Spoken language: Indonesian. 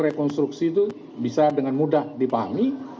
rekonstruksi itu bisa dengan mudah dipahami